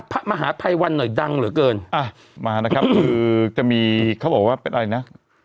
พระมหาภัยวันหน่อยดังเหลือเกินอ่ะมานะครับคือจะมีเขาบอกว่าเป็นอะไรนะ